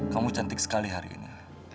kamu cantik sekali hari ini